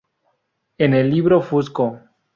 En el libro Fusco.